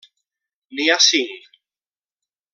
N'hi ha cinc.